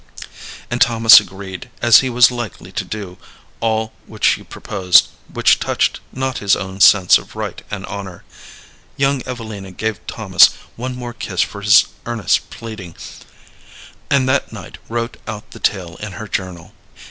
And Thomas agreed, as he was likely to do to all which she proposed which touched not his own sense of right and honor. Young Evelina gave Thomas one more kiss for his earnest pleading, and that night wrote out the tale in her journal.